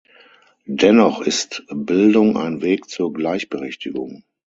Dennoch ist Bildung ein Weg zur Gleichberechtigung.